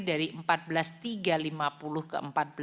dari empat belas tiga ratus lima puluh ke empat belas empat ratus lima puluh